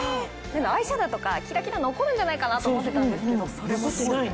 アイシャドウとかキラキラ残るんじゃないかなと思ってたんですけどそれもしっかり。